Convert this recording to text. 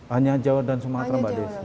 hanya jawa dan sumatera